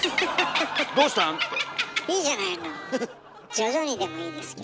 徐々にでもいいですけど。